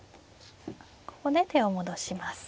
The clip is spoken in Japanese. ここで手を戻します。